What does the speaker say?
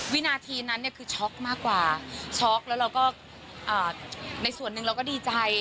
วินาทีนั้นเนี่ยคือช็อกมากกว่าช็อกแล้วเราก็ในส่วนหนึ่งเราก็ดีใจ